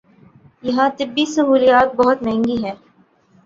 یہاں طبی سہولیات بہت مہنگی ہیں